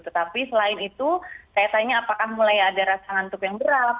tetapi selain itu saya tanya apakah mulai ada rasa ngantuk yang berat